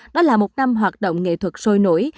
đó là một năm hoạt động nghệ thuật sôi nổi